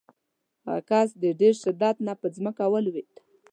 هغه کس د ډېر شدت نه په ځمکه ولویېد.